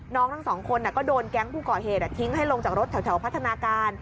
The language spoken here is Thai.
ทั้งสองคนก็โดนแก๊งผู้ก่อเหตุทิ้งให้ลงจากรถแถวพัฒนาการ